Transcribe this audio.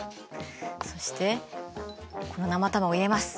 そしてこの生卵入れます。